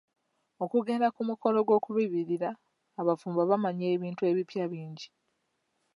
Okugenda ku mukolo gw'okubiiririra abafumbo omanya ebintu ebipya bingi.